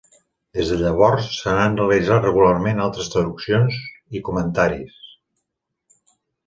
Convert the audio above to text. Des de llavors, se n'han realitzat regularment altres traduccions i comentaris.